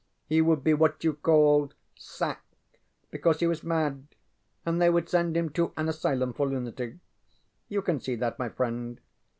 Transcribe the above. He would be what you called sack because he was mad, and they would send him to an asylum for lunatics. You can see that, my friend.